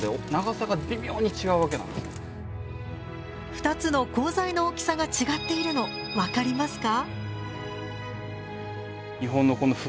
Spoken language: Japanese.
２つの鋼材の大きさが違っているの分かりますか？